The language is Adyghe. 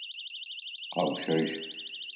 Къэущэжь!